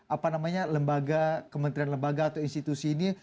apa namanya lembaga kementerian lembaga atau institusi ini